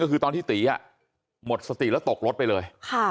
ก็คือตอนที่ตีหมดสติแล้วตกรถไปเลย